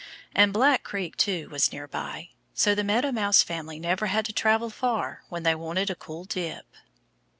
And Black Creek, too, was near by. So the Meadow Mouse family never had to travel far when they wanted a cool dip.